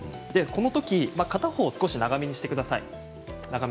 このとき片方が少し長めにしてください。